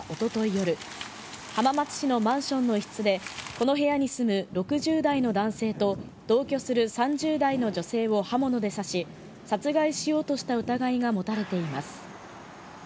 夜、浜松市のマンションの一室で、この部屋に住む６０代の男性と同居する３０代の女性を刃物で刺し、殺害しようとした疑いが持たれています。